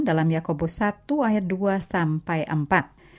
dalam yakobus satu ayat dua empat